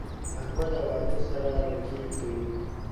احمد او علي سره رګی کوي.